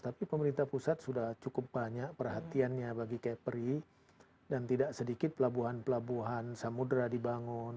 tapi pemerintah pusat sudah cukup banyak perhatiannya bagi kepri dan tidak sedikit pelabuhan pelabuhan samudera dibangun